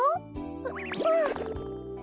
ううん。